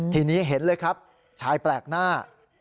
ทีนี้เห็นเลยครับชายแปลกหน้า